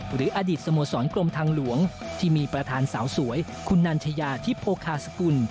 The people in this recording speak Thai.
หรืออดีตสโมสรกรมทางหลวงที่มีประธานสาวสวยคุณนัญชยาทิพโภคาสกุล